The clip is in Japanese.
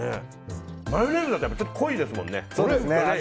マヨネーズだったらちょっと濃いですもんね。